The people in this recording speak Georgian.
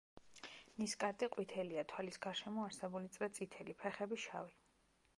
ნისკარტი ყვითელია, თვალის გარშემო არსებული წრე წითელი, ფეხები შავი.